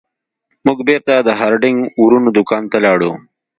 موږ بیرته د هارډینګ ورونو دکان ته لاړو.